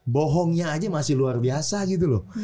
bohongnya aja masih luar biasa gitu loh